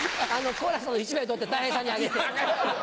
好楽さんの１枚取ってたい平さんにあげて。